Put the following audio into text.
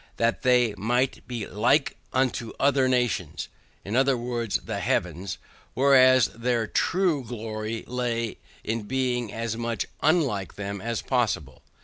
that they might be LIKE unto other nations, i. e. the Heathens, whereas their true glory laid in being as much UNLIKE them as possible.